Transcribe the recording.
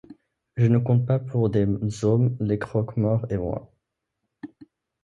Je ne compte pas pour des hommes les croque-morts et moi.